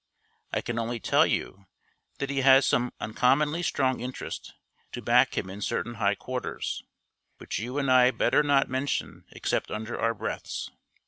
I can only tell you that he has some uncommonly strong interest to back him in certain high quarters, which you and I had better not mention except under our breaths.